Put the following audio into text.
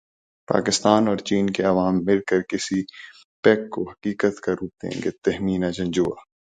پاکستان اور چین کے عوام مل کر سی پیک کو حقیقت کا روپ دیں گے تہمینہ جنجوعہ